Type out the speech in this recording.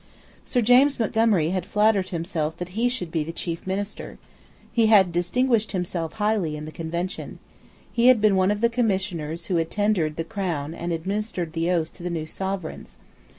Sir James Montgomery had flattered himself that he should be the chief minister. He had distinguished himself highly in the Convention. He had been one of the Commissioners who had tendered the Crown and administered the oath to the new Sovereigns.